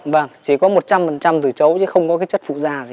vâng chỉ có một trăm linh từ chấu chứ không có cái chất phụ da gì